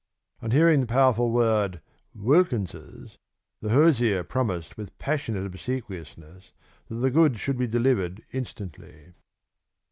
On hearing the powerful word "Wilkins's," the hosier promised with passionate obsequiousness that the goods should be delivered instantly.